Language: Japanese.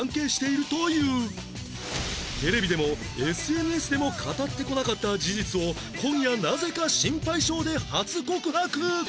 テレビでも ＳＮＳ でも語ってこなかった事実を今夜なぜか『シンパイ賞！！』で初告白！